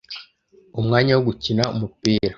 umwanya wo gukina umupira